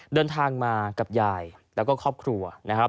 เดินทางมากับยายแล้วก็ครอบครัวนะครับ